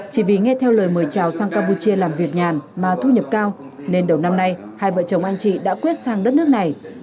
chỉ vì nghe theo lời mời chào sang campuchia làm việc nhàn mà thu nhập cao nên đầu năm nay hai vợ chồng anh chị đã quyết sang đất nước này